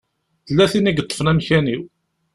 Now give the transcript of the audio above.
Tella tin i yeṭṭfen amkan-iw.